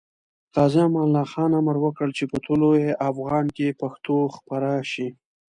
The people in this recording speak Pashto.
غازي امان الله خان امر وکړ چې په طلوع افغان کې پښتو خپاره شي.